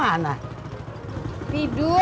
apa khusdragon bhg urut videonya ya